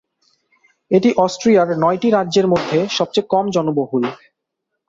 এটি অস্ট্রিয়ার নয়টি রাজ্যের মধ্যে সবচেয়ে কম জনবহুল।